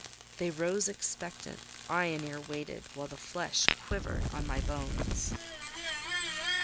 They rose expectant: eye and ear waited while the flesh quivered on my bones.